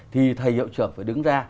thì thầy hiệu trưởng phải đứng ra